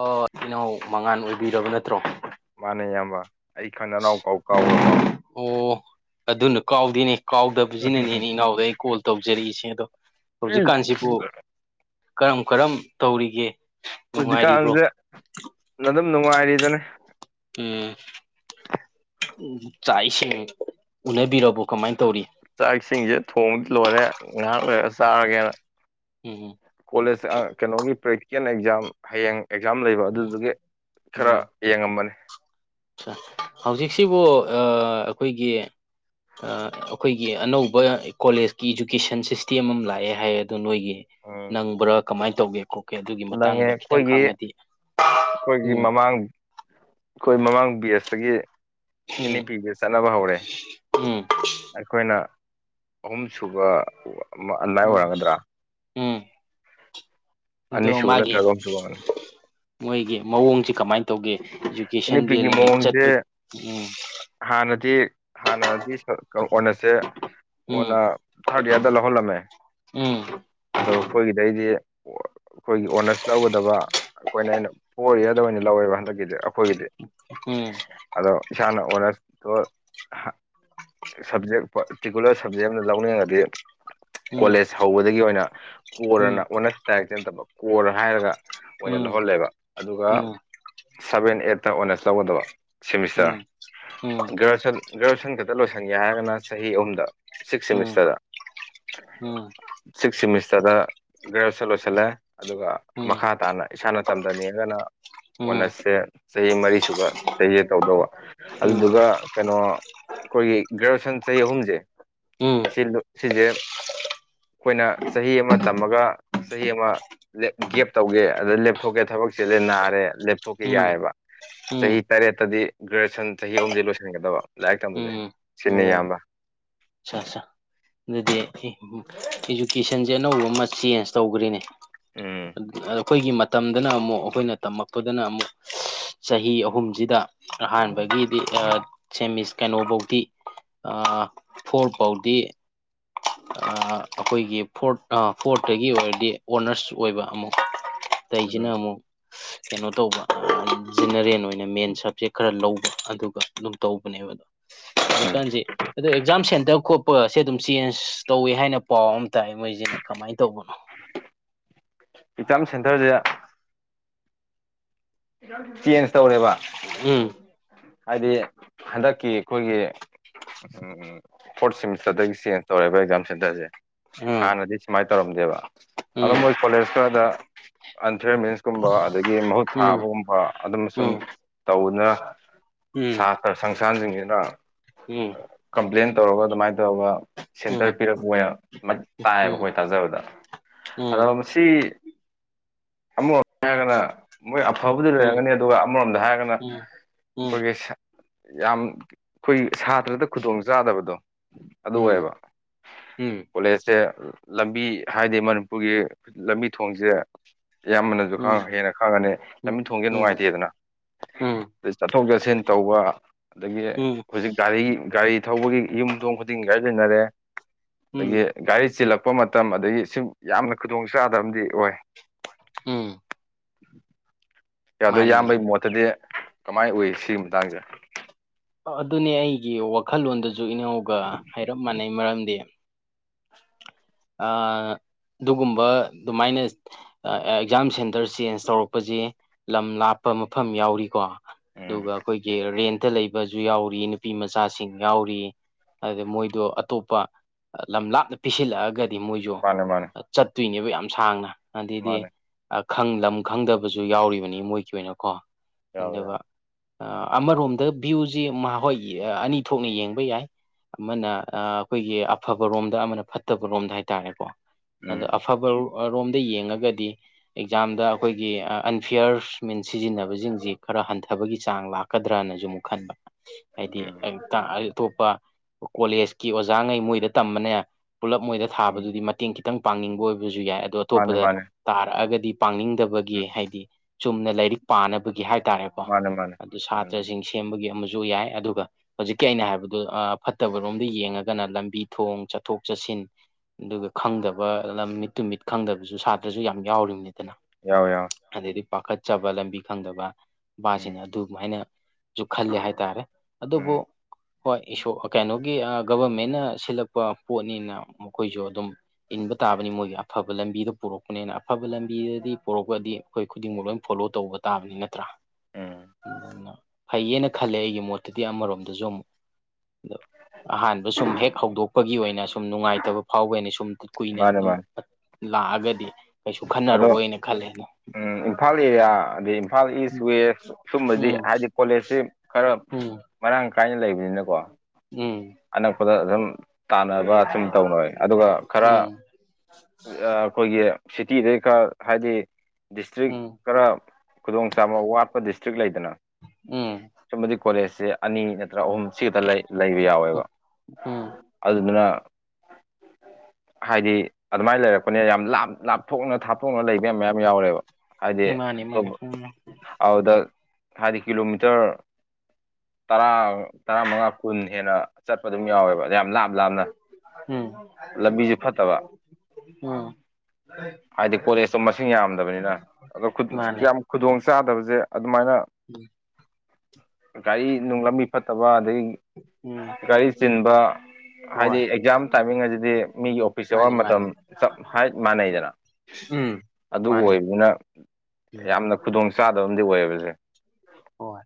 ꯑꯥ ꯏꯅꯥꯎ ꯃꯉꯥꯟ ꯑ‌ꯣꯏꯕꯤꯔꯕꯥ ꯅꯠꯇ꯭ꯔꯣ ꯃꯥꯅꯦ ꯏꯌꯥꯝꯕ ꯑꯩ ꯈꯪ ꯅꯅꯥꯎ ꯐꯥꯎ ꯀꯥꯎꯒꯔꯕꯣ ꯑꯣ ꯑꯗꯨꯅ ꯀꯥꯎꯗꯅꯦ ꯀꯥꯎꯗꯕꯖꯤꯅꯅꯤꯅꯦ ꯏꯅꯥꯎꯗ ꯑꯩ ꯀꯣꯜ ꯇꯧꯖꯔꯛꯏꯁꯦ ꯑꯗꯣ ꯎꯝ ꯍꯧꯖꯤꯛꯀꯥꯟꯁꯤꯕꯨ [unintelligible] ꯀꯔꯝ ꯀꯔꯝ ꯇꯧꯔꯤꯒꯦ ꯅꯨꯡꯉꯥꯏꯔꯤꯕ꯭ꯔꯣ ꯍꯧꯖꯤꯛꯀꯥꯟꯖ‌ꯦ ꯑꯗꯨꯝ ꯅꯨꯡꯉꯥꯏꯔꯤꯗꯨꯅꯦ ꯎꯝ ꯆꯥꯛ ꯏꯁꯤꯡ ꯎꯅꯥꯕꯤꯔꯕꯣ ꯀꯃꯥꯏꯟ ꯇꯧꯔꯤ ꯆꯥꯛ ꯏꯁꯤꯡꯖ‌‌ꯦ ꯊꯣꯡꯕꯗꯤ ꯂꯣꯏꯔꯦ ꯉꯥꯏꯍꯥꯛ ꯂꯩꯔꯥ ꯆꯥꯔꯒꯦꯅꯥ ꯎꯝ ꯍꯝ ꯀꯣꯂꯦꯖ ꯑꯥ ꯀꯩꯅꯣꯒꯤ ꯄ꯭ꯔꯦꯛꯇꯤꯀꯦꯜ ꯑꯦꯛꯖꯥꯝ ꯍꯌꯦꯡ ꯑꯦꯛꯖꯥꯝ ꯂꯩꯕ ꯎꯝ ꯑꯗꯨꯗꯨꯒꯤ ꯈꯔ ꯎꯝ ꯌꯦꯡꯉꯝꯕꯅ‌ꯦ ꯍꯧꯖꯤꯛꯁꯤꯕꯨ ꯑꯥ ꯑꯩꯈꯣꯏꯒꯤ ꯑꯥ ꯑꯩꯈꯣꯏꯒꯤ ꯑꯅꯧꯕ ꯀꯣꯂꯦꯖꯀꯤ ꯏꯖꯨꯀꯦꯁꯟ ꯁꯤꯁꯇꯦꯝ ꯑꯃ ꯂꯥꯛꯑꯦ ꯍꯥꯏꯌ‌ꯦ ꯑꯗꯣ ꯅꯣꯏꯒꯤ ꯎꯝ ꯅꯪꯕ꯭ꯔꯥ ꯀꯃꯥꯏꯟ ꯇꯧꯒꯦ ꯀꯣ ꯑꯣꯀꯦ ꯑꯗꯨꯒꯤ ꯅꯪꯉꯦ ꯃꯇꯥꯡꯗꯥ ꯈꯤꯇꯪ ꯑꯩꯈꯣꯏꯒꯤ ꯈꯪꯉꯗꯤ ꯎꯝ ꯑꯈꯣꯏ ꯃꯃꯥꯡ ꯕ‌ꯦꯁꯇꯒꯤ ꯑꯦꯟ ꯎꯝ ꯑ‌ꯦ ꯄꯤ ꯕꯦꯁ ꯆꯠꯅꯕꯥ ꯍꯧꯔꯦ ꯎꯝ ꯑꯩꯈꯣꯏꯅ ꯑꯍꯨꯝꯁꯨꯨꯕꯥ ꯥꯑꯃꯥ ꯑꯗꯨꯃꯥꯏ ꯎꯝ ꯑꯣꯏꯔꯝꯒꯗ꯭ꯔꯥ ꯎꯝ ꯑꯗꯣ ꯑꯅꯤꯁꯨꯕ ꯃꯥꯒꯤ ꯅꯠꯇ꯭ꯔꯒ ꯑꯍꯨꯝꯁꯨꯕ ꯑꯃꯅꯤ ꯃꯣꯏꯒꯤ ꯃꯑꯣꯡꯖꯤ ꯀꯃꯥꯏꯟ ꯇꯧꯒꯦ ꯏꯖꯨ ꯑꯦꯟ ꯏ ꯀꯦꯁꯟꯒꯤ ꯄꯤꯒꯤ ꯂꯥꯏꯔꯤꯛ ꯃꯑꯣꯡꯁꯦ ꯆꯠꯄꯥ ꯎꯝ ꯍꯥꯟꯅꯗꯤ ꯍꯥꯟꯅꯗꯤ ꯑ‌ꯣꯅꯁ ꯁ‌ꯦ ꯎꯝ ꯀ‌ꯣꯟꯅꯥ ꯊꯔꯥꯠ ꯏꯌꯥꯔꯗ ꯂꯧꯍꯜꯂꯝꯃꯦ ꯎꯝ ꯑꯗꯣ ꯑꯩꯈꯣꯏꯒꯤ ꯗꯩꯗꯤ ꯑꯩꯈꯣꯏꯒꯤ ꯑꯣꯅꯁ ꯂꯧꯒꯗꯕ ꯑꯩꯈꯣꯏꯅ ꯑꯩꯅ ꯐꯣꯔ ꯏꯌꯥꯔꯗ ꯑꯣꯏꯅ ꯂꯧꯋꯦꯕ ꯍꯟꯗꯛꯀꯤꯗꯤ ꯑꯩꯈ‌ꯣꯏ ꯒꯤꯗꯤ ꯑꯗꯣ ꯏꯁꯥꯅ ꯑꯣꯔꯅꯁꯇꯣ ꯁꯕꯖꯦꯛ ꯄꯥꯔꯇꯤꯀꯨꯂꯔ ꯁꯕꯖꯦꯛ ꯑꯃꯗ ꯂꯧꯅꯩ ꯑꯗꯤ ꯎꯝ ꯀꯣꯂꯦꯖ ꯍꯧꯕꯗꯒꯤ ꯑꯣꯏꯅ ꯀꯣꯔ ꯎꯝ [unintelligible] ꯂꯥꯏꯔꯤꯛꯇꯩ ꯅꯠꯇꯕ ꯀꯣꯔ ꯍꯥꯏꯔꯒ ꯑꯣꯏꯅ ꯎꯝ ꯂꯧꯍꯜꯂꯦꯕ ꯑꯗꯨꯒ ꯎꯝ ꯎꯝ ꯎꯝ ꯎꯝ ꯎꯝ ꯎꯝ ꯎꯝ ꯎꯝ ꯎꯝ ꯁꯚꯦꯟ ꯑꯩꯠꯇ ꯑꯣꯅꯔꯁ ꯂꯧꯒꯗꯕ ꯁꯦꯃꯤꯁꯇꯔ ꯒ꯭ꯔꯦꯖꯨꯑꯦꯁꯟ ꯒ꯭ꯔꯦꯖꯨꯋꯦꯁꯟ ꯈꯇꯥ ꯂꯣꯏꯁꯟꯒꯦ ꯍꯥꯏꯔꯒꯅ ꯆꯍꯤ ꯑꯍꯨꯝꯗ ꯁꯤꯛꯁ ꯁꯦꯃꯤꯁꯇꯔꯗꯥ ꯁꯤꯛ ꯁꯦꯃꯤꯁꯇ꯭ꯔꯗꯥ ꯒ꯭ꯔꯦꯖꯨꯑ‌ꯦꯁꯟ ꯂꯣꯏꯁꯜꯂꯦ ꯑꯗꯨꯒ ꯃꯈꯥ ꯇꯥꯅ ꯏꯁꯥꯅ ꯇꯝꯗꯅꯤꯡꯉꯒꯅꯥ ꯑꯣꯅꯔꯁꯁꯦ ꯆꯍꯤ ꯃꯔꯤ ꯁꯨꯕ ꯆꯍꯤꯗꯥ ꯇꯧꯗꯧꯕ ꯑꯗꯨꯗꯨꯒ ꯀꯩꯅꯣ ꯑꯩꯈꯣꯏꯒꯤ ꯒ꯭ꯔꯦꯖꯨꯌꯦꯁꯟ ꯆꯍꯤ ꯑꯍꯨꯝꯁꯦ ꯁꯤꯁꯦ ꯑꯩꯈꯣꯏꯅ ꯆꯍꯤ ꯑꯃ ꯇꯝꯃꯒ ꯆꯍꯤ ꯑꯃ ꯒꯦꯞ ꯇꯧꯒꯦ ꯑꯗ ꯂꯦꯞꯊꯣꯛꯀꯦ ꯊꯕꯛ ꯆꯤꯜꯂꯦ ꯅꯥꯔꯦ ꯂꯦꯞꯊꯣꯛꯀꯦ ꯎꯝ ꯎꯝ ꯌꯥꯏꯑꯕ ꯎꯝ ꯎꯝ ꯆꯍꯤ ꯇꯔꯦꯠꯇꯗꯤ ꯒ꯭ꯔꯦꯖꯨꯑꯦꯁꯟ ꯆꯍꯤ ꯑꯍꯨꯝꯖꯦ ꯂꯣꯏꯁꯤꯟꯒꯗꯕ ꯂꯥꯏꯔꯤꯛ ꯇꯝꯕꯁꯦ ꯁꯤꯅꯦ ꯏꯌꯥꯝꯕ ꯑꯆꯥꯆꯥ ꯑꯗꯨꯗꯤ ꯏꯖꯨꯀꯦꯁꯟꯁꯦ ꯑꯅꯧꯕ ꯑꯃ ꯆꯦꯟꯖ ꯇꯧꯈ꯭ꯔꯤꯅꯦ ꯎꯝ ꯑꯩꯈꯣꯏꯒꯤ ꯃꯇꯝꯗꯅ ꯑꯃꯨꯛ ꯑꯩꯈꯣꯏꯅ ꯇꯝꯃꯛꯄꯗꯅ ꯑꯃꯨꯛ ꯆꯍꯤ ꯑꯍꯨꯝꯁꯤꯗ ꯑꯍꯥꯟꯕꯒꯤꯗꯤ ꯁꯦꯝꯃꯤꯁ ꯀꯩꯅꯣꯐꯧꯗꯤ ꯐꯣꯔ ꯐꯧꯗꯤ ꯑ ꯑꯩꯈꯣꯏꯒꯤ ꯐꯣꯔꯠ ꯐꯣꯔꯠꯇꯒꯤ ꯑꯣꯏꯔꯗꯤ ꯑꯣꯅꯔꯁ ꯑꯣꯏꯕ ꯑꯃꯨꯛ ꯎꯝ ꯇꯩꯖꯅꯃꯣ ꯀꯩꯅꯣ ꯇꯧꯕ ꯖꯦꯅꯔꯦꯜ ꯑꯣꯏꯅ ꯃꯦꯟ ꯁꯕꯖꯦꯛ ꯈꯔ ꯂꯧꯕ ꯑꯗꯨꯒ ꯑꯗꯨꯝ ꯇꯧꯕꯅꯦꯕꯗꯣ ꯎꯝ ꯀꯥꯟꯁꯦ ꯑꯗꯣ ꯑꯦꯛꯖꯥꯝ ꯁꯦꯟꯇꯔ ꯈꯣꯠꯄꯁꯦ ꯑꯗꯨꯝ ꯆꯦꯟꯖ ꯇꯧꯋꯦ ꯍꯥꯏꯅ ꯄꯥꯎ ꯑꯃ ꯇꯥꯏ ꯃꯣꯏꯁꯤꯅ ꯀꯃꯥꯏꯅ ꯇꯧꯕꯅꯣ ꯑꯦꯛꯖꯥꯝ ꯁꯦꯟꯇꯔꯁꯦ ꯆꯦꯟꯖ ꯇꯧꯔꯦꯕ ꯎꯝ ꯍꯥꯏꯗꯤ ꯍꯟꯗꯛꯀꯤ ꯑꯩꯈꯣꯏꯒꯤ ꯐꯣꯔꯠ ꯁꯦꯃꯤꯁꯇꯔꯗꯒꯤ ꯆꯦꯟꯖ ꯇꯧꯔꯛꯦꯕ ꯑꯦꯛꯖꯥꯝ ꯁꯦꯟꯇꯔꯁꯦ ꯎꯝ ꯍꯥꯟꯅꯗꯤ ꯁꯨꯃꯥꯏꯅ ꯇꯧꯔꯝꯗꯦꯕ ꯑꯗꯨꯗꯣ ꯃꯣꯏ ꯀꯣꯂꯦꯖ ꯈꯔꯗ ꯑꯟꯊꯔ ꯃꯤꯟꯁꯀꯨꯝꯕ ꯑꯗꯒꯤ ꯃꯍꯨꯠ ꯎꯝ ꯎꯝ ꯊꯥꯕꯒꯨꯝꯕ ꯑꯗꯨꯝ ꯁꯨꯝ ꯇꯧꯅ ꯎꯝ ꯎꯝ ꯁꯥꯇ꯭ꯔ ꯁꯪꯁꯊꯥꯟꯁꯤꯡꯁꯤꯅ ꯎꯝ ꯎꯝ ꯀꯝꯄ꯭ꯂꯦꯟ ꯇꯧꯔꯒ ꯑꯗꯨꯃꯥꯏꯅ ꯇꯧꯔꯒ ꯎꯝ ꯎꯝ ꯎꯝ ꯎꯝ ꯁꯦꯟꯇꯔ ꯄꯤꯔꯛꯄ ꯑꯣꯏꯅ ꯇꯥꯏꯑꯕ ꯑꯩꯈꯣꯏ ꯇꯥꯖꯕꯗ ꯑꯗꯣ ꯃꯁꯤ ꯑꯃꯃꯣ ꯌꯥꯒꯅ ꯃꯣꯏ ꯑꯐꯕꯨꯗꯤ ꯎꯝ ꯎꯝ ꯂꯩꯔꯝꯒꯅꯤ ꯑꯗꯨꯒ ꯑꯃꯔꯣꯝꯗ ꯍꯥꯏꯔꯒꯅ ꯑꯩꯈꯣꯏꯒꯤ ꯌꯥꯝ ꯑꯩꯈꯣꯏ ꯁꯥꯇ꯭ꯔꯗ ꯈꯨꯗꯣꯡ ꯆꯥꯗꯕꯗꯣ ꯑꯗꯨ ꯑꯣꯏꯌꯦꯕ ꯀꯣꯂꯦꯖꯁꯦ ꯂꯝꯕꯤ ꯍꯥꯏꯗꯤ ꯃꯅꯤꯄꯨꯔꯒꯤ ꯂꯝꯕꯤ ꯊꯣꯡꯁꯦ ꯑꯌꯥꯝꯕꯅꯁꯨ ꯈꯥꯡ ꯍꯦꯟꯅ ꯈꯪꯉꯅꯤ ꯂꯝꯕꯤ ꯎꯝ ꯎꯝ ꯊꯣꯡꯁꯦ ꯎꯝ ꯎꯝ ꯅꯨꯡꯉꯥꯏꯇꯦꯗꯅ ꯑꯗꯩ ꯆꯠꯊꯣꯛ ꯆꯠꯁꯤꯟ ꯇꯧꯕ ꯑꯗꯒꯤ ꯎꯝ ꯎꯝ ꯍꯧꯖꯤꯛ ꯒꯥꯔꯤꯒꯤ ꯒꯥꯔꯤ ꯊꯧꯕꯒꯤ ꯌꯨꯝꯊꯣꯡ ꯈꯨꯗꯤꯡꯒꯤ ꯒꯥꯔꯤ ꯂꯣꯏꯅꯔꯦ ꯑꯗꯒꯤ ꯎꯝ ꯒꯥꯔꯤ ꯆꯤꯜꯂꯛꯄ ꯃꯇꯝ ꯑꯗꯒꯤ ꯁꯨꯝ ꯌꯥꯝꯅ ꯈꯨꯗꯣꯡ ꯆꯥꯗꯕ ꯑꯣꯏ ꯎꯝ ꯌꯥꯗꯣ ꯃꯥꯅꯤꯅꯦ ꯏꯕꯒꯤ ꯃꯣꯠꯇꯗꯤ ꯀꯃꯥꯏꯅ ꯎꯏ ꯁꯤꯒꯤ ꯃꯇꯥꯡꯁꯦ ꯑꯗꯨꯅꯦ ꯑꯩꯒꯤ ꯋꯥꯈꯜꯂꯣꯟꯗꯁꯨ ꯏꯅꯥꯎꯒ ꯍꯥꯏꯔꯞ ꯃꯥꯟꯅꯩ ꯃꯔꯝꯗꯤ ꯑꯗꯨꯒꯨꯝꯕ ꯑꯗꯨꯃꯥꯏꯅ ꯑꯦꯛꯖꯥꯝ ꯁꯦꯟꯇꯔ ꯆꯦꯟꯖ ꯇꯧꯔꯛꯄꯁ ꯂꯝ ꯂꯥꯞꯄ ꯃꯐꯝ ꯌꯥꯎꯔꯤꯀꯣ ꯑꯗꯨꯒ ꯎꯝ ꯑꯩꯈꯣꯏꯒꯤ ꯔꯦꯟꯇ ꯂꯩꯕꯁꯨ ꯌꯥꯎꯔꯤ ꯅꯨꯄꯤ ꯃꯆꯥꯁꯤꯡ ꯌꯥꯎꯔꯤ ꯑꯗ ꯃꯣꯏꯗꯣ ꯑꯇꯣꯞꯄ ꯂꯝ ꯂꯥꯞꯅ ꯄꯤꯁꯤꯜꯂꯛꯑꯒꯗꯤ ꯗꯤ ꯃꯣꯏꯁꯨ ꯃꯥꯅꯦ ꯃꯥꯅꯦ ꯆꯠꯇꯣꯏꯅꯦꯕ ꯌꯥꯝ ꯁꯥꯡꯅ ꯑꯗꯨꯗꯩꯗꯤ ꯃꯥꯅꯦ ꯈ ꯂꯝ ꯈꯪꯗꯕꯁꯨ ꯌꯥꯎꯔꯤꯕꯅꯤ ꯃꯣꯏꯒꯤ ꯑꯣꯏꯅꯀꯣ ꯌꯥꯎꯋꯦ ꯑꯗꯨꯒ ꯌꯥꯎꯋꯦ ꯑꯃꯔꯣꯝꯗ ꯚꯤꯌꯨꯁꯤꯣꯏ ꯑꯅꯤ ꯊꯣꯛꯅ ꯌꯦꯡꯕ ꯌꯥꯏ ꯑꯃꯅ ꯑꯩꯈꯣꯏꯒꯤ ꯑꯐꯕꯔꯣꯝꯗ ꯑꯃꯅ ꯐꯠꯇꯕꯔꯣꯝꯗ ꯍꯥꯏ ꯍꯥꯏꯇꯥꯥꯔꯦꯀꯣ ꯑꯗꯣ ꯎꯝ ꯑꯐꯕ ꯔꯣꯝꯗ ꯌꯦꯡꯉꯒꯗꯤ ꯑꯦꯛꯖꯥꯝꯗ ꯑꯩꯈꯣꯏꯒꯤ ꯑꯟꯐꯤꯌꯔꯁ ꯀ꯭ꯞꯃꯦꯟ ꯁꯤꯖꯤꯟꯅꯕꯁꯤꯡꯁꯤ ꯈꯔ ꯍꯟꯊꯕꯒꯤ ꯆꯥꯡ ꯂꯥꯛꯀꯗ꯭ꯔꯅꯁꯨ ꯑꯃꯨꯛ ꯈꯟꯕ ꯍꯥꯏꯗꯤ ꯎꯝ ꯑꯇꯣꯞꯄ ꯀꯣꯂꯦꯖꯀꯤ ꯑꯣꯖꯥꯉꯩ ꯃꯣꯏꯗ ꯇꯝꯕꯅꯦ ꯄꯨꯂꯞ ꯃꯣꯏꯗ ꯎꯝ ꯊꯥꯕꯗꯨꯗꯤ ꯃꯇꯦꯡ ꯈꯤꯇꯪ ꯄꯥꯡꯅꯤꯡꯕ ꯑꯣꯏꯕꯁꯨ ꯌꯥꯏ ꯑꯗꯣ ꯃꯥꯅꯦ ꯑꯇꯣꯞꯄꯗ ꯃꯥꯅꯦ ꯇꯥꯔꯛꯑꯒꯗꯤ ꯎꯝ ꯄꯥꯡꯅꯤꯡꯗꯕꯒꯤ ꯍꯥꯏꯗꯤ ꯆꯨꯝꯅ ꯂꯥꯏꯔꯤꯛ ꯄꯥꯅꯕꯒꯤ ꯍꯥꯏꯇꯥꯔꯦꯀꯣ ꯃꯥꯅꯦ ꯃꯥꯅꯦ ꯑꯗꯨ ꯎꯝ ꯁꯥꯇ꯭ꯔꯁꯤꯡꯁ ꯁꯦꯝꯕꯒꯤ ꯑꯃꯁꯨ ꯌꯥꯏ ꯑꯗꯨꯒ ꯍꯧꯖꯤꯛꯀꯤ ꯑꯩꯅ ꯍꯥꯏꯕꯗꯨ ꯑ ꯐꯠꯇꯕꯔꯣꯝꯗ ꯌꯦꯡꯉꯒꯅ ꯂꯝꯕꯤ ꯊꯣꯡ ꯆꯠꯊꯣꯛ ꯆꯠꯁꯤꯟ ꯑꯗꯨꯒ ꯈꯪꯗꯕ ꯂꯝꯃꯤꯠ ꯇꯨ ꯃꯤꯠ ꯈꯪꯗꯕꯁꯨ ꯁꯥꯇ꯭ꯔꯁꯨ ꯌꯥꯝ ꯌꯥꯎꯔꯤꯕꯅꯤꯗꯅ ꯌꯥꯎꯋꯦ ꯌꯥꯎꯋꯦ ꯑꯗꯩꯗꯤ ꯄꯥꯈꯠꯆꯕ ꯂꯝꯕꯤ ꯈꯪꯗꯕ ꯕꯥꯁꯤꯡ ꯎꯝ ꯑꯗꯨꯃꯥꯏꯅ ꯁꯨ ꯈꯜꯂꯤ ꯍꯥꯏꯇꯥꯔꯦ ꯑꯗꯨꯕꯨ ꯎꯝ ꯍꯣꯏ ꯑꯩꯁꯨ ꯀꯩꯅꯣꯒꯤ ꯒꯚꯔꯃꯦꯟꯅ ꯁꯤꯜꯂꯛꯄ ꯄꯣꯠꯅꯤꯅ ꯃꯈꯣꯏꯁꯨ ꯑꯗꯨꯝ ꯏꯟꯕ ꯇꯥꯕꯅꯤ ꯃꯣꯏꯒꯤ ꯑꯐꯕ ꯂꯝꯕꯤꯗ ꯄꯨꯔꯛꯄꯅꯦꯅ ꯑꯐꯕ ꯂꯝꯕꯤꯗꯗꯤ ꯄꯨꯔꯛꯄꯗꯤ ꯑꯩꯈꯣꯏ ꯈꯨꯗꯤꯡꯃꯛ ꯂꯣꯏ ꯐꯣꯂꯣ ꯇꯧꯕ ꯇꯥꯕꯅꯤ ꯅꯠꯇ꯭ꯔꯥ ꯎꯝ [unintelligible] ꯑꯗꯨꯅ ꯐꯩꯌꯦꯅ ꯈꯜꯂꯦ ꯑꯩꯒꯤ ꯃꯣꯠꯇꯗꯤ ꯑꯃꯔꯣꯝꯗꯁꯨ ꯑꯃꯨꯛ ꯑꯗꯣ ꯑꯍꯥꯟꯕ ꯁꯨꯝ ꯍꯦꯛ ꯍꯧꯗꯣꯛꯄꯒꯤ ꯑꯣꯏꯅ ꯁꯨꯝ ꯅꯨꯡꯉꯥꯏꯇꯕ ꯑꯧꯕꯩꯅꯤ ꯁꯨꯝ ꯀꯨꯏꯅ ꯃꯥꯅꯦ ꯃꯥꯅꯦ ꯑꯗꯨꯝ ꯂꯥꯛꯑꯒꯗꯤ ꯀꯩꯁꯨ ꯑꯗꯣ ꯈꯟꯅꯔꯛꯑꯣꯏꯅ ꯈꯜꯂꯦ ꯑꯗꯣ ꯎꯝ ꯏꯝꯐꯥꯜ ꯑꯦꯔꯤꯌꯥ ꯑꯗꯩ ꯐꯥꯜ ꯏꯁ ꯎꯝ ꯋꯦꯁ ꯁꯨꯝꯕꯗꯤ ꯍꯥꯏꯗꯤ ꯀꯣꯂꯦꯖꯁꯦ ꯈꯔ ꯎꯝ ꯃꯔꯥꯡ ꯀꯥꯏꯅ ꯂꯩꯕꯅꯤꯅꯀꯣ꯫ ꯎꯝ ꯑꯅꯛꯄꯗ ꯑꯗꯨꯝ ꯇꯥꯟꯅꯕ ꯁꯨꯝ ꯇꯧꯅꯔꯦ ꯑꯗꯨꯒ ꯈꯔ ꯎꯝ ꯋꯤ ꯑ ꯑꯈꯣꯏꯒꯤ ꯇꯤꯗꯩ ꯈ ꯍꯥꯏꯗꯤ ꯗꯤꯁꯇ꯭ꯔꯤꯛ ꯎꯝ ꯈꯔ ꯈꯨꯗꯣꯡ ꯆꯥꯕ ꯋꯥꯠꯄ ꯗꯤꯁꯇ꯭ꯔꯤꯛ ꯂꯩꯗꯅ ꯎꯝ ꯁꯨꯝꯕꯗꯤ ꯀꯣꯂꯦꯖꯁꯦ ꯑꯅꯤ ꯅꯠꯇ꯭ꯔꯒ ꯑꯍꯨꯝ ꯁꯤ ꯈꯠꯇ ꯂꯩ ꯂꯩꯕ ꯎꯝ ꯌꯥꯎꯋꯦꯕ ꯎꯝ ꯑꯗꯨꯗꯨꯅ ꯍꯥꯏꯗꯤ ꯑꯗꯨꯃꯥꯏꯅ ꯂꯩꯔꯛꯄꯅꯤꯅ ꯌꯥꯝ ꯂꯞꯂꯞ ꯊꯣꯛꯅ ꯊꯥꯞꯊꯣꯛꯅ ꯂꯩꯕ ꯌꯝ ꯃꯌꯥꯝ ꯌꯥꯎꯔꯦꯕ ꯍꯥꯏꯗꯤ ꯎꯝ ꯃꯥꯅꯤ ꯃꯥꯅꯤ ꯇꯧꯕ ꯎꯝ ꯑꯥꯎꯗ ꯍꯥꯏꯗꯤ ꯀꯤꯂꯣꯃꯤꯇꯔ [inaudible] ꯇꯥꯔꯥ ꯇꯥꯔꯥꯃꯉꯥ ꯀꯨꯟ ꯍꯦꯟꯅ ꯆꯠꯄ ꯑꯗꯨꯝ ꯌꯥꯎꯋꯦꯕ ꯌꯥꯝ ꯂꯥꯞ-ꯂꯥꯞꯅ ꯎꯝ ꯎꯝ ꯍꯥꯏꯗꯤ ꯀꯣꯂꯦꯖꯇꯣ ꯃꯁꯤꯡ ꯌꯥꯝꯗꯕꯅꯤꯅ ꯑꯗꯣ ꯈꯨꯠ ꯃꯥꯅꯦ ꯌꯥꯝ ꯈꯨꯗꯣꯡ ꯆꯥꯗꯕꯖꯦ ꯑꯗꯨꯃꯥꯏꯅ ꯒꯥꯔꯤ ꯅꯨꯡ ꯂꯝꯕꯤ ꯐꯠꯇꯕ ꯑꯗꯒꯤ ꯎꯝ ꯒꯥꯔꯤ ꯆꯤꯟꯕ ꯍꯣꯏ ꯍꯥꯏꯗꯤ ꯑꯦꯛꯖꯥꯝ ꯇꯥꯏꯃꯤꯡ ꯑꯖꯤꯗꯤ ꯃꯤꯒꯤ ꯑꯣꯐꯤꯁ ꯃꯥꯅꯤ ꯑꯋꯥꯔ ꯃꯇꯝ ꯃꯥꯅꯤ ꯆꯞ ꯍꯥꯏꯞ ꯃꯥꯟꯅꯩꯗꯅ ꯎꯝ ꯑꯗꯨ ꯃꯥꯅꯤ ꯑꯣꯏꯕꯅꯤꯅ ꯎꯝ ꯌꯥꯝꯅ ꯈꯨꯗꯣꯡ ꯆꯥꯗꯕ ꯑꯃꯗꯤ ꯑꯣꯏꯌꯦꯕꯁꯦ ꯍꯣꯏ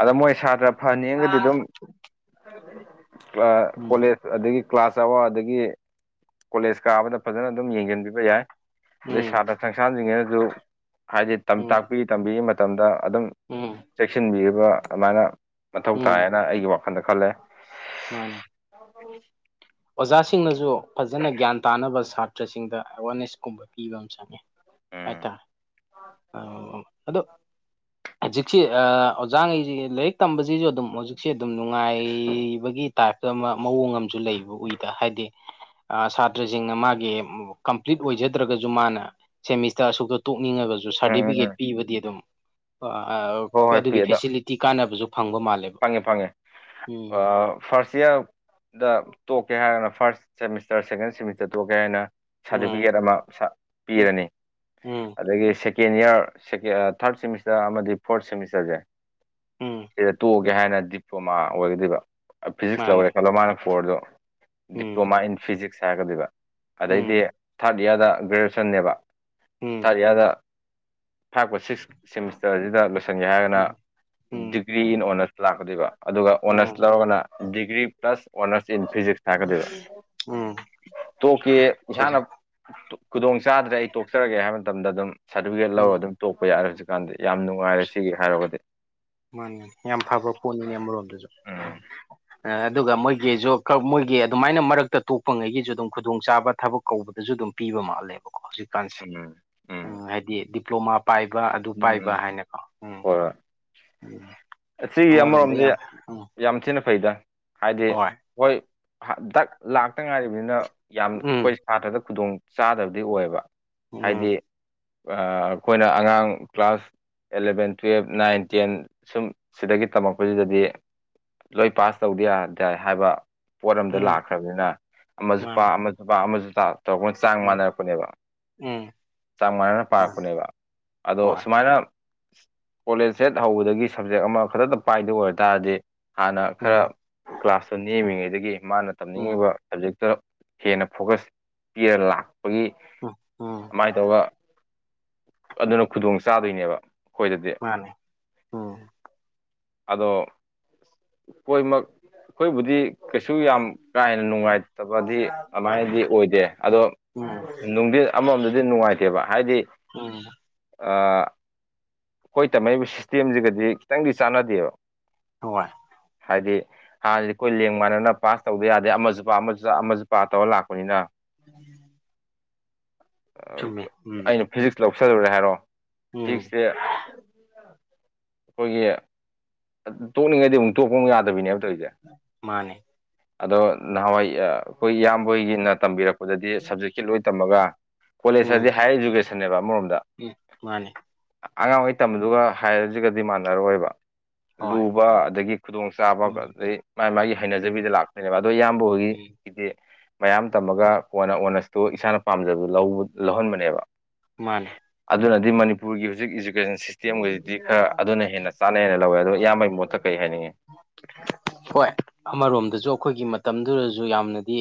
ꯑꯗ ꯃꯣꯏ ꯁꯥꯇ꯭ꯔ ꯐꯍꯟꯅꯤꯡꯒꯗꯤ ꯑꯗꯨꯝ ꯀ꯭ꯂ ꯎꯝ ꯀꯣꯂꯦ ꯑꯗꯒꯤ ꯀ꯭ꯂꯥꯁ ꯑꯎꯔ ꯑꯗꯒꯤ ꯀꯣꯂꯦꯖ ꯀꯥꯕꯗ ꯐꯖꯅ ꯑꯗꯨꯝ ꯌꯦꯡꯖꯟꯕꯤꯕ ꯌꯥꯏ꯫ ꯑꯗꯩ ꯎꯝ ꯁꯥꯇ꯭ꯔ ꯁꯪꯊꯥꯟꯖꯤꯡꯖꯤꯅꯖꯨ ꯍꯥꯏꯗꯤ ꯇꯥꯝ ꯎꯝ ꯇꯥꯛꯄꯤ ꯇꯝꯕꯤ ꯃꯇꯝꯗ ꯑꯗꯨꯝ ꯎꯝ ꯆꯦꯛꯁꯤꯟꯕꯤꯌꯤꯕ ꯑꯃꯥꯏꯅ ꯃꯊꯧ ꯇꯥꯏꯅ ꯑꯩꯒꯤ ꯋꯥꯈꯜꯗ ꯈꯜꯂ‌ꯦ ꯃꯥꯅꯦ ꯑꯣꯖꯥꯁꯤꯡꯅꯖꯨ ꯐꯖꯟꯅ ꯒ꯭ꯌꯥꯟ ꯇꯥꯅꯕ ꯁꯥꯇ꯭ꯔꯁꯤꯡꯗ ꯑꯦꯋꯥꯔꯅꯦꯁꯀꯨꯝꯕ ꯄꯤꯕ ꯑꯃ ꯆꯪꯉꯦ ꯎꯝ ꯍꯥꯏꯇꯥꯔꯦ ꯑ ꯋꯣ ꯑꯧ ꯑꯗꯣ ꯈꯖꯤꯛꯁꯤ ꯑꯥ ꯑꯣꯖꯥꯒꯩꯖꯤ ꯂꯥꯏꯔꯤꯛ ꯇꯝꯕꯖꯤꯖꯨ ꯑꯗꯨꯝ ꯍꯧꯖꯤꯛꯖꯦ ꯑꯗꯨꯝ ꯅꯨꯡꯉꯥꯏ ꯕꯒꯤ ꯇꯥꯏꯞꯇ ꯑꯃ ꯃꯑꯣꯡ ꯑꯃꯁꯨ ꯂꯩꯕ ꯎꯏꯗ ꯍꯥꯏꯗꯤ ꯑ ꯁꯥꯇ꯭ꯔꯖꯤꯡꯅ ꯃꯥꯒꯤ ꯀꯝꯄ꯭ꯂꯤꯠ ꯑꯣꯏꯖꯗ꯭ꯔꯒꯖꯨ ꯃꯥꯅ ꯁꯦꯃꯤꯁꯇꯔ ꯑꯁꯨꯛꯇ ꯇꯣꯛꯅꯤꯡꯉꯒ ꯖꯨ ꯎꯝ ꯎꯝ ꯁꯥꯔꯗꯤꯕꯤꯒꯦꯠ ꯎꯝ ꯄꯤꯕꯗꯤ ꯑꯗꯨꯝ ꯑꯣ-ꯑ- ꯍꯣꯏ ꯑꯥꯞ ꯍꯣꯏ ꯑꯗꯨꯒꯤ ꯄꯤ ꯑꯗ ꯐꯦꯁꯤꯂꯤꯇꯤ ꯀꯥꯟꯅꯕꯖꯨ ꯐꯪꯕ ꯃꯥꯜꯂꯦ꯫ ꯐꯪꯉꯦ ꯐꯪꯉꯦ ꯑ ꯐꯥꯔꯁ ꯏꯌꯥꯔ ꯗ ꯇꯣꯛ ꯀꯦ ꯍꯥꯏꯔꯒꯅ ꯐꯥꯔꯁ ꯁꯦꯃꯤꯁꯇꯔ ꯁꯦꯀꯦꯟ ꯁꯦꯃꯤꯁꯇꯔ ꯊꯣꯛꯀꯦ ꯍꯥꯏꯅ ꯎꯝ ꯁꯥꯔꯗꯤꯕꯤꯒꯦꯠ ꯑꯃ ꯁ ꯎꯝ ꯄꯤꯔꯅꯤ ꯎꯝ ꯑꯗꯒꯤ ꯁꯦꯀꯦꯟ ꯏꯌꯔ ꯁꯦꯀꯦ ꯊꯥꯔꯠ ꯁꯦꯃꯤꯁꯇꯔ ꯑꯃꯗꯤ ꯐꯣꯔꯠ ꯁꯦꯃꯤꯁꯇꯔꯖꯦ ꯎꯝ ꯇꯣꯛꯒꯦ ꯍꯥꯏꯅ ꯗꯤꯄ꯭ꯂꯣꯃꯥ ꯑꯣꯏꯒꯗꯩꯕ ꯐꯤꯖꯤꯛꯁ ꯂꯧꯔꯦ ꯃꯥꯅꯦ ꯈꯜꯂꯣ ꯃꯥꯅ ꯐꯣꯔꯗꯣ ꯎꯝ ꯗꯤꯄ꯭ꯂꯣꯃꯥ ꯏꯟ ꯐꯤꯖꯤꯛꯁ ꯍꯥꯏꯔꯀꯗꯩꯕ ꯑꯗꯩꯗꯤ ꯎꯝ ꯊꯥꯔꯠ ꯏꯌꯥꯔꯗ ꯒ꯭ꯔꯦꯖꯦꯁꯟꯅꯦꯕ ꯎꯝ ꯑꯦꯌꯥꯗ ꯐꯥꯏꯞꯀ ꯁꯤꯛꯁ ꯁꯦꯃꯤꯁꯇꯔꯖꯤꯗ ꯂꯣꯏꯁꯟꯒꯦ ꯍꯥꯏꯔꯒꯅ ꯎꯝ ꯎꯝ ꯗꯤꯒ꯭ꯔꯤ ꯏꯟ ꯑꯣꯅꯔꯁ ꯂꯥꯛꯀꯗꯨꯏꯕ ꯑꯗꯨꯒ ꯑꯣꯅꯔꯁ ꯎꯝ ꯂꯧꯔꯒꯅ degree plus honours in physics ꯎꯝ ꯍꯥꯏꯔꯀꯗꯣꯏꯕ ꯇꯣꯛꯀꯦ ꯁꯠ ꯏꯁꯥꯅ ꯇꯨ ꯈꯨꯗꯣꯡꯆꯥꯥꯗ꯭ꯔꯦ ꯑꯩ ꯇꯣꯛꯆꯔꯒꯦ ꯍꯥꯏꯕ ꯃꯇꯝꯗ ꯑꯗꯨꯝ ꯁꯥꯔꯗꯤꯕꯤꯒꯦꯠ ꯂꯧꯔꯒ ꯎꯝ ꯑꯗꯨꯝ ꯇꯣꯛꯄ ꯌꯥꯔꯦ ꯍꯧꯖꯤꯛ ꯀꯥꯟꯗꯤ ꯌꯥꯝ ꯅꯨꯡꯉꯥꯏꯔꯦ ꯁꯤꯒꯤ ꯍꯥꯏꯔꯨꯒꯗꯤ ꯃꯥꯅꯤ ꯌꯥꯝ ꯐꯕ ꯄꯣꯠꯅꯤꯅꯦ ꯑꯃꯔꯣꯝꯗꯖꯨ ꯎꯝ ꯑꯗꯨꯒ ꯃꯣꯏꯒꯤꯁꯨ ꯃꯣꯏꯒꯤ ꯑꯗꯨꯃꯥꯏꯅ ꯃꯔꯛꯇ ꯇꯣꯛꯄꯉꯩꯒꯤꯁꯨ ꯑꯗꯨꯝ ꯈꯨꯗꯣꯡꯆꯥꯥꯕ ꯊꯕꯛ ꯀꯧꯕꯗꯁꯨ ꯑꯗꯨꯝ ꯄꯤꯕ ꯃꯥꯜꯂꯦꯕꯀꯣ ꯍꯧꯖꯤꯛ ꯀꯁꯦ ꯎꯝ ꯎꯝ ꯍꯥꯏꯗꯤ ꯗꯤꯄ꯭ꯂꯣꯃꯥ ꯄꯥꯏꯕ ꯑꯗꯨ ꯎꯝ ꯄꯥꯏꯕ ꯎꯝ ꯍꯥꯏꯅꯀꯣ ꯎꯝ ꯍꯣꯏ ꯎꯝ ꯍꯣꯏ ꯁꯤꯒꯤ ꯑꯃꯔꯣꯝꯗ ꯑꯃꯔꯣꯝꯗꯤ ꯌꯥꯝꯃꯦ ꯎꯝ ꯌꯥꯝ ꯊꯤꯅ ꯐꯩꯗ ꯍꯥꯏꯗꯤ ꯍꯣꯏ ꯗꯛ ꯂꯥꯛꯇ ꯉꯥꯏꯔꯤꯕꯅꯤꯅ ꯌꯥꯝ ꯎꯝ ꯑꯩꯈꯣꯏ ꯁꯥꯇ꯭ꯔꯗ ꯈꯨꯗꯣꯡ ꯆꯥꯗꯕꯗꯤ ꯑꯣꯏꯌꯦꯕ ꯍꯥꯏꯗꯤ ꯎꯝ ꯑꯩꯈꯣꯏꯅ ꯑꯉꯥꯡ class eleven twelve nine ten ꯁꯨꯝ ꯁꯤꯗꯒꯤ ꯇꯝꯃꯛꯄꯁꯤꯗꯗꯤ ꯂꯣꯏ ꯄꯥꯁ ꯇꯧꯗ ꯌꯥꯗꯏ ꯍꯥꯏꯕ ꯄꯣꯠ ꯑꯝꯗ ꯎꯝ ꯂꯥꯛꯈ꯭ꯔꯕꯅꯤꯅ ꯑꯃꯁꯨ ꯄ ꯃꯥꯅꯤ ꯑꯃꯁꯨ ꯄ ꯑꯃꯁꯨ ꯇꯧꯔꯛꯄ ꯃꯇꯝ ꯆꯥꯡ ꯎꯝ ꯃꯥꯟꯅꯔꯛꯄꯅꯦꯕ ꯎꯝ ꯆꯥꯡ ꯃꯥꯟꯅꯅ ꯃꯥꯅꯦ ꯄꯥꯔꯛꯄꯅꯦꯕ ꯑꯗꯣ ꯍꯣꯏ ꯁꯨꯃꯥꯏꯅ ꯀꯣꯂꯦꯖ ꯁꯦꯠ ꯍꯧꯕꯗꯒꯤ ꯁꯕꯖꯦꯛ ꯑꯃ ꯈꯛꯇꯛꯇ ꯄꯥꯏꯗꯦ ꯑꯣꯏꯔ ꯇꯥꯔꯗꯤ ꯍꯥꯟꯅ ꯈꯔ ꯎꯝ ꯀ꯭ꯂꯥꯁꯇꯣ ꯅꯦꯝꯃꯤꯉꯩꯗꯒꯤ ꯃꯥꯅ ꯎꯝ ꯇꯝꯅꯤꯡꯉꯤꯕ ꯁꯕꯖꯦꯛꯇꯨ ꯍꯦꯟꯅ ꯐꯣꯀꯁ ꯄꯤꯔ ꯂꯥꯛꯄꯒꯤ ꯎꯝ ꯎꯝ ꯑꯗꯨꯃꯥꯏꯅ ꯇꯧꯔꯒ ꯑꯗꯨꯅ ꯈꯨꯗꯣꯡ ꯆꯥꯗꯣꯏꯅꯦꯕ ꯑꯩꯈꯣꯏꯗꯗꯤ ꯃꯥꯅꯦ ꯎꯝ ꯑꯗꯣ ꯀꯣꯏꯃꯛ ꯑꯩꯈꯣꯏꯕꯨꯗꯤ ꯀꯩꯁꯨ ꯌꯥꯝ ꯀꯥ ꯍꯦꯟꯅ ꯅꯨꯡꯉꯥꯏꯇꯕꯗꯤ ꯑꯗꯨꯃꯥꯏꯅꯗꯤ ꯑꯣꯏꯗꯦ ꯑꯗꯣ ꯎꯝ ꯅꯨꯡꯗꯤ ꯑꯃꯃꯣꯝꯗꯗꯤ ꯅꯨꯡꯉꯥꯏꯇꯦꯕ ꯍꯥꯏꯗꯤ ꯍ ꯑꯩꯈꯣꯏ ꯇꯝꯃꯛꯏꯕ ꯁꯤꯁꯇꯦꯝꯁꯤꯒꯗꯤ ꯈꯤꯇꯪꯗꯤ ꯆꯥꯟꯅꯗꯦꯕ ꯍꯣꯏ ꯍꯥꯏꯗꯤ ꯍꯥꯟꯅꯗꯤ ꯑꯩꯈꯣꯏ ꯂꯦꯡ ꯃꯥꯟꯅꯅ ꯄꯥꯁ ꯇꯧꯗ ꯌꯥꯗꯦ ꯑꯃꯁꯨ ꯄꯥ ꯑꯃꯁꯨ ꯑꯃꯁꯨ ꯄ ꯇꯧꯔ ꯂꯥꯛꯄꯅꯤꯅ ꯎꯝ ꯎꯝ ꯑꯩꯅ ꯐꯤꯖꯤꯛꯁ ꯂꯧꯁꯔꯨꯔꯦ ꯍꯥꯏꯔꯣ ꯎꯝ ꯐꯤꯛꯁꯦ ꯑꯩꯈꯣꯏꯒꯤ ꯇꯣꯛꯅꯤꯡꯉꯩꯗꯤ ꯑꯃꯨꯛ ꯇꯣꯛꯄ ꯑꯃꯨꯛ ꯌꯥꯗꯕꯤꯅꯦ ꯍꯥꯏꯕ ꯇꯧꯔꯤꯁꯦ ꯃꯥꯅꯦ ꯑꯗꯣ ꯅꯍꯥꯟꯋꯥꯏ ꯑꯩꯈꯣꯏ ꯏꯌꯥꯝꯕ ꯍꯣꯏꯒꯤꯅ ꯇꯝꯕꯤꯔꯛꯄ ꯑꯩꯈꯗꯗꯤ ꯁꯞꯖꯦꯛꯀꯤ ꯂꯣꯏ ꯇꯝꯃꯒ ꯎꯝ ꯀꯣꯂꯦꯖꯇꯗꯤ ꯍꯥꯏꯌꯔ ꯏꯖꯨꯀꯦꯁꯟꯅꯦꯕ ꯑꯃꯔꯣꯝꯗ ꯎꯝ ꯃꯥꯅꯦ ꯑꯉꯥꯡꯍꯩ ꯇꯝꯕꯗꯨꯒ ꯍꯥꯏꯔꯁꯤꯒꯗꯤ ꯃꯥꯟꯅꯔꯣꯏꯕ ꯍꯣꯏ ꯂꯨꯕ ꯑꯗꯒꯤ ꯈꯨꯗꯣꯡ ꯆꯥꯕ ꯎꯝ ꯑꯗꯗꯒꯤ ꯃꯥꯒꯤ ꯃꯥꯒꯤ ꯎꯝ ꯍꯩꯅꯖꯕꯤꯗ ꯂꯥꯛꯄꯣꯏꯅꯦꯕ ꯑꯗꯣ ꯏꯌꯥꯝꯕ ꯎꯝ ꯍꯧꯣꯏꯒꯤ ꯗꯤ ꯃꯌꯥꯝ ꯇꯝꯃꯒ ꯀꯣꯟꯅ ꯑꯣꯅꯔꯁꯇꯨ ꯏꯁꯥꯅ ꯄꯥꯝꯖꯕꯗꯨ ꯂꯧꯍꯟꯕꯅꯦꯕ ꯃꯥꯅꯦ ꯑꯗꯨꯅꯗꯤ ꯃꯅꯤꯄꯨꯔꯒꯤ ꯍꯧꯖꯤꯛ ꯏꯖꯨꯀꯦꯁꯟ ꯁꯤꯁꯇꯦꯝꯒꯁꯤꯗꯤ ꯈꯔ ꯑꯗꯨꯅ ꯍꯦꯟꯅ ꯆꯥꯟꯅꯩꯅ ꯂꯧꯋꯦ ꯑꯗꯨꯣ ꯏꯌꯥꯝꯕꯒꯤ ꯃꯣꯠꯇ ꯀꯩ ꯍꯥꯏꯅꯤꯡꯉꯤ ꯌ ꯍꯣꯏ ꯑꯃꯔꯣꯝꯗꯁꯨ ꯑꯩꯈꯣꯏꯒꯤ ꯃꯇꯝꯗꯨꯗꯁꯨ ꯌꯥꯝꯅꯗꯤ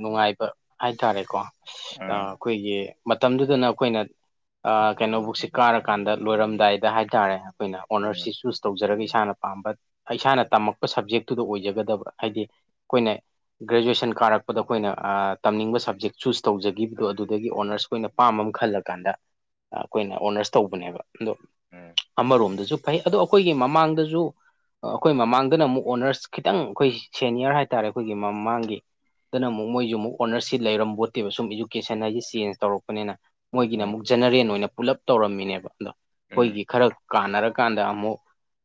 ꯅꯨꯡꯉꯥꯏꯕ ꯍꯥꯏꯥꯏ ꯇꯔꯦꯀꯣ ꯎꯝ ꯑꯩꯈꯣꯏꯒꯤ ꯃꯇꯝꯗꯨꯗꯅ ꯑꯩꯈꯣꯏꯅ ꯀꯩꯅꯣꯕꯨꯛꯁꯦ ꯀꯥꯔꯀꯥꯟꯗ ꯂꯣꯏꯔꯝ ꯑꯗꯨꯗꯥꯏꯗ ꯍꯥꯏꯇꯥꯔꯦ ꯑꯩꯈꯣꯏꯅ ꯎꯝ ꯑꯣꯅꯔꯁꯤ ꯇꯧꯖꯔꯒ ꯏꯁꯥꯅ ꯄꯥꯝꯕ ꯏꯁꯥꯅ ꯇꯝꯃꯛꯄ ꯁꯕꯖꯦꯛꯇꯨꯗ ꯑꯣꯏꯖꯒꯗꯕ ꯍꯥꯏꯗꯤ ꯑꯩꯈꯣꯏꯅ ꯒ꯭ꯔꯦꯖꯨꯋꯦꯁꯟ ꯀꯥꯔꯛꯄꯗ ꯑꯩꯈꯣꯏꯅ ꯇꯝꯅꯤꯡꯕ ꯁꯕꯖꯦꯛ ꯆꯨꯁ ꯇꯧꯖꯈꯤꯕꯗꯨ ꯑꯗꯨꯗꯒꯤ ꯑꯣꯅꯔꯁ ꯑꯩꯈꯣꯏꯅ ꯄꯥꯝꯕ ꯑꯃ ꯈꯜꯂꯀꯥꯟꯗ ꯑꯩꯈꯣꯏꯅ ꯑꯣꯅꯔꯁ ꯇꯧꯕꯅꯦꯕ ꯑꯗꯣ ꯎꯝ ꯑꯃꯔꯣꯝꯗꯁꯨ ꯐꯩ ꯑꯗꯣ ꯑꯩꯈꯣꯏꯒꯤ ꯃꯃꯥꯡꯗꯁꯨ ꯑꯩꯈꯣꯏ ꯃꯃꯥꯡꯗꯅ ꯑꯃꯨꯛ ꯑꯣꯅꯔꯁ ꯈꯤꯇꯪ ꯑꯩꯈꯣꯏ ꯁꯦꯅꯤꯌꯔ ꯍꯥꯏꯇꯥꯔꯦ ꯑꯩꯈꯣꯏꯒꯤ ꯃꯃꯥꯡꯒꯤ ꯇꯅ ꯑꯃꯨꯛ ꯃꯣꯏꯁꯨ ꯑꯃꯨꯛ ꯑꯣꯅꯔꯁꯁꯤ ꯂꯩꯔꯝꯕꯣꯠꯇꯦꯕ ꯁꯨꯝ ꯏꯖꯨꯀꯦꯁꯟ ꯍꯥꯏꯁꯦ ꯆꯦꯟꯖ ꯇꯧꯔꯛꯄꯅꯤꯅ ꯃꯣꯏꯒꯤꯅ ꯎꯝ ꯑꯃꯨꯛ ꯖꯦꯅꯔꯦꯟ ꯑꯣꯏꯅ ꯄꯨꯂꯞ ꯇꯧꯔꯝꯃꯤꯅꯦꯕ ꯑꯗꯣ ꯎꯝ ꯑꯩꯈꯣꯏꯒꯤ ꯈꯔ ꯀꯥꯟꯅꯔꯀꯥꯟꯗ ꯑꯃꯨꯛ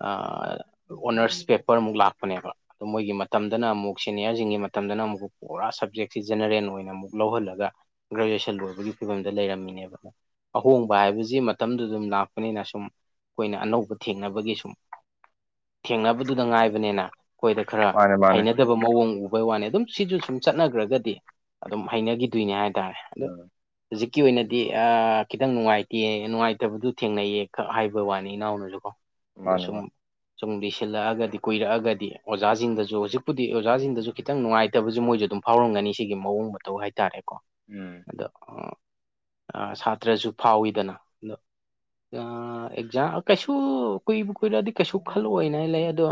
ꯑꯥ ꯑꯣꯅꯔꯁ ꯄꯦꯄꯔꯃꯨꯛ ꯂꯥꯛꯄꯅꯦꯕ ꯑꯗꯨ ꯃꯣꯏꯒꯤ ꯃꯇꯝꯗꯅ ꯑꯃꯨꯛ ꯁꯦꯅꯤꯌ꯭ꯥꯔꯁꯤꯡꯒꯤ ꯃꯇꯝꯗꯅ ꯑꯃꯨꯛꯀ ꯄꯨꯔꯥ ꯁꯕꯖꯦꯛꯁꯤ ꯖꯦꯅꯔꯦꯜ ꯑꯣꯏꯅ ꯑꯃꯨꯛ ꯂꯧꯍꯜꯂꯒ ꯒ꯭ꯔꯦꯖꯨꯑꯦꯁꯟ ꯂꯣꯏꯕꯒꯤ ꯐꯤꯕꯝꯗ ꯂꯩꯔꯝꯃꯤꯅꯦꯕ ꯑꯍꯣꯡꯕ ꯍꯥꯏꯕꯁꯤ ꯃꯇꯝꯗꯨꯗ ꯑꯗꯨꯝ ꯂꯥꯛꯄ ꯄꯅꯤꯅ ꯁꯨꯝ ꯑꯩꯈꯣꯏꯅ ꯑꯅꯧꯕ ꯊꯦꯡꯅꯕꯒꯤ ꯁꯨꯝ ꯊꯦꯡꯅꯕꯗꯨꯗ ꯉꯥꯏꯕꯅꯤꯅ ꯑꯩꯈꯣꯏꯗ ꯈꯔ ꯃꯥꯅꯦ ꯃꯥꯅꯦ ꯍꯩꯅ ꯗꯕ ꯃꯑꯣꯡ ꯎꯕꯩ ꯋꯥꯅꯤ ꯑꯗꯨꯝ ꯁꯤꯁꯨ ꯁꯨꯝ ꯆꯠꯅꯈ꯭ꯔꯒꯗꯤ ꯑꯗꯨꯝ ꯍꯩꯅꯈꯤꯗꯣꯏꯅꯦ ꯍꯥꯏꯇꯥꯔꯦ ꯑꯗꯨ ꯎꯝ ꯍꯧꯖꯤꯛꯀꯤ ꯑꯣꯏꯅꯗꯤ ꯑꯥ ꯈꯤꯇꯪ ꯅꯨꯡꯉꯥꯏꯇꯦ ꯅꯨꯡꯉꯥꯏꯇꯕꯗꯨ ꯊꯦꯡꯅꯩꯌꯦ ꯈꯛ ꯍꯥꯏꯕ ꯋꯥꯅꯤ ꯏꯅꯥꯎꯅꯁꯨ ꯀꯣ ꯑꯗꯨ ꯃꯥꯅꯦ ꯁꯨꯝ ꯃꯥꯅꯦ ꯁꯨꯝ ꯂꯥꯁꯤꯜꯂꯛꯑꯒꯗꯤ ꯀꯨꯏꯔꯛꯑꯒꯗꯤ ꯑꯣꯖꯥꯁꯤꯡꯗꯁꯨ ꯍꯧꯖꯤꯛꯄꯨꯗꯤ ꯑꯣꯖꯥꯁꯤꯡꯗꯁꯨ ꯈꯤꯇꯪ ꯅꯨꯡꯉꯥꯏꯇꯕꯁꯨ ꯃꯣꯏꯁꯨ ꯑꯗꯨꯝ ꯐꯥꯎꯔꯝꯒꯅꯤ ꯁꯤꯒꯤ ꯃꯑꯣꯡ ꯃꯇꯧ ꯍꯥꯏꯇꯥꯔꯦꯀꯣ ꯎꯝ ꯑꯗꯣ ꯎꯝ ꯑꯥ ꯁꯥꯇ꯭ꯔꯁꯨ ꯐꯥꯎꯏꯗꯅ ꯑꯥ ꯑꯦꯛꯖꯥꯝ- ꯀꯩꯁꯨ ꯀꯨꯏꯕ ꯀꯨꯏꯔꯗꯤ ꯀꯩꯁꯨ ꯈꯜꯂꯛꯑꯣꯏꯅ ꯂꯩ ꯑꯗꯣ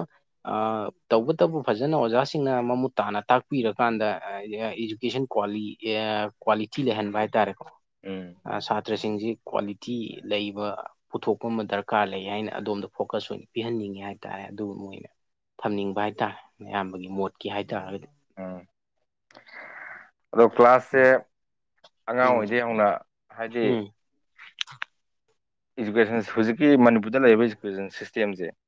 ꯑꯥ ꯇꯧꯕꯇꯕꯨ ꯐꯖꯅ ꯑꯣꯖꯥꯁꯤꯡ ꯐꯖꯅ ꯃꯃꯨꯠ ꯇꯥꯅ ꯇꯥꯛꯄꯤꯔꯀꯥꯟꯗ ꯏꯗꯨꯀꯦꯁꯟ ꯀ꯭ꯋꯥꯂꯤ -ꯑꯥ ꯀ꯭ꯋꯥꯂꯤꯇꯤ ꯂꯩꯍꯟꯕ ꯍꯥꯏꯇꯥꯔꯦꯀꯣ ꯎꯝ ꯁꯥꯇ꯭ꯔꯁꯤꯡꯁꯤ ꯀ꯭ꯋꯥꯂꯤꯇꯤ ꯂꯩꯕ ꯄꯨꯊꯣꯛꯄ ꯑꯃ ꯗꯔꯀꯥꯔ ꯂꯩ ꯍꯥꯏꯅ ꯑꯗꯣꯝꯗ ꯐꯣꯀꯁ ꯑꯣꯏꯅ ꯄꯤꯍꯟꯅꯤꯡꯏ ꯍꯥꯏꯇꯥꯔꯦ ꯑꯗꯨꯕꯨ ꯃꯣꯏꯅ ꯊꯝꯅꯤꯡꯕ ꯍꯥꯏꯇꯥꯔꯦ ꯅꯌꯥꯝꯕꯒꯤ ꯃꯣꯠꯀꯤ ꯍꯥꯏꯇꯥꯔꯒꯗꯤ ꯑꫭ ꯑꯗꯣ ꯀ꯭ꯂꯥꯁꯁꯦ ꯑꯉꯥꯡ ꯎꯝ ꯑꯣꯏꯉꯩꯗꯒꯤ ꯍꯧꯅ ꯍꯥꯏꯗꯤ ꯎꯝ ꯏꯖꯨꯀꯦꯁꯟ- ꯍꯧꯖꯤꯛꯀꯤ ꯃꯅꯤꯄꯨꯔꯗ ꯂꯩꯔꯤꯕ ꯏꯖꯨꯀꯦꯁꯟ ꯁꯤꯁꯇꯦꯝꯁꯦ